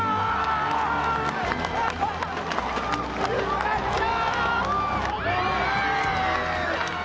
やったー！